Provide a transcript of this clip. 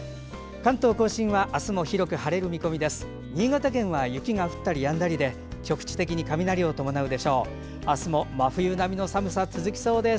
関東・甲信は明日も広く晴れる見込みです。